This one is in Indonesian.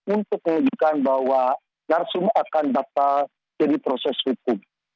untuk menunjukkan bahwa narsum akan dapat jadi proses hukum